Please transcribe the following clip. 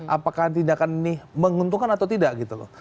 apakah tindakan ini menguntungkan atau tidak gitu loh